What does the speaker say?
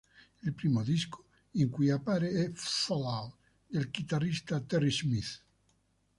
Il primo disco in cui appare è "Fall out" del chitarrista Terry Smith.